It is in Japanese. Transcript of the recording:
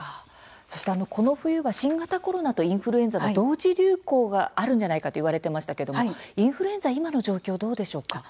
そして、この冬は新型コロナとインフルエンザの同時流行があるんじゃないかと言われてましたけどもインフルエンザ今の状況どうでしょうか。